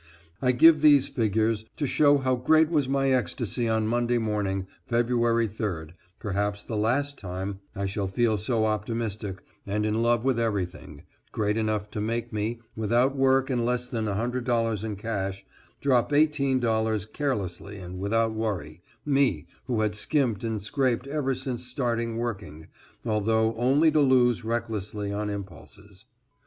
I give these figures to show how great was my ecstasy on Monday morning, February 3d, perhaps the last time I shall feel so optimistic and in love with everything, great enough to make me, without work and less than $100 in cash, drop $18 carelessly and without worry me, who had skimped and scraped ever since started working, although only to lose recklessly on impulses.